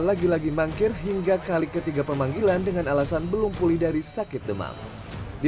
lagi lagi mangkir hingga kali ketiga pemanggilan dengan alasan belum pulih dari sakit demam di